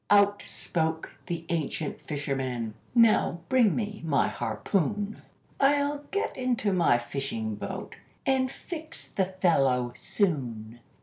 Out spoke the ancient fisherman "Now bring me my harpoon! I'll get into my fishing boat, and fix the fellow soon."